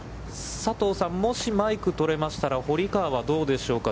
佐藤さん、もしマイクが取れましたら、堀川はどうでしょうか。